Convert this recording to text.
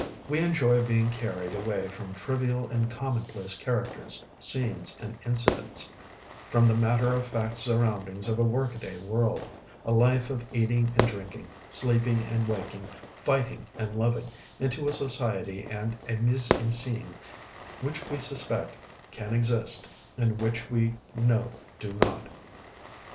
We enjoy being carried away from trivial and commonplace characters, scenes, and incidents; from the matter of fact surroundings of a workaday world, a life of eating and drinking, sleeping and waking, fighting and loving, into a society and a mise en scène which we suspect can exist and which we know do not.